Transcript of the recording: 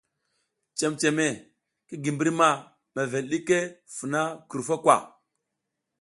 Cememe ki gi mbri ma mevel ɗiki funa krufo kwa.